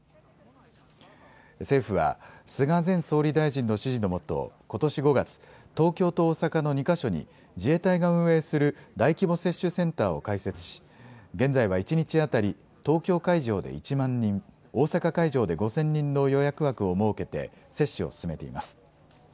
政府は、菅前総理大臣の指示の下、ことし５月、東京と大阪の２か所に、自衛隊が運営する大規模接種センターを開設し、現在は１日当たり東京会場で１万人、大阪会場で５０００人の予約枠を設けて、接種を進めています。